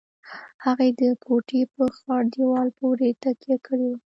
هغې د کوټې په خړ دېوال پورې تکيه کړې وه.